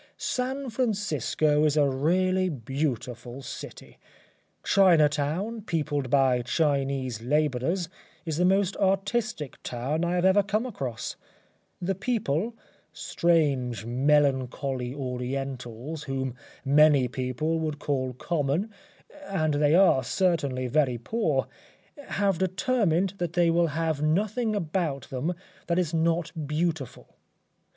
San Francisco is a really beautiful city. China Town, peopled by Chinese labourers, is the most artistic town I have ever come across. The people strange, melancholy Orientals, whom many people would call common, and they are certainly very poor have determined that they will have nothing about them that is not beautiful.